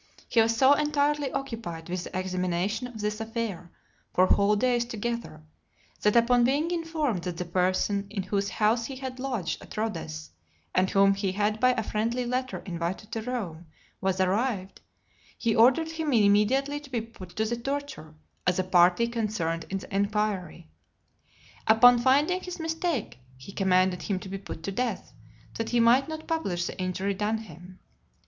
He was so entirely occupied with the examination of this affair, for whole days together, that, upon being informed that the person in whose house he had lodged at Rhodes, and whom he had by a friendly letter invited to Rome, was arrived, he ordered him immediately to be put to the torture, as a party concerned in the enquiry. Upon finding his mistake, he commanded him to be put to death, that he might not publish the injury done him.